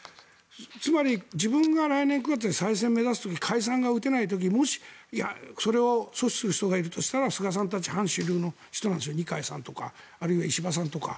つまり、自分が来年９月に再選を目指す時に解散が打てない時に、もしそれを阻止する人たちがいるとすれば菅さんたち反主流の人なんですよ二階さんとか石破さんとか。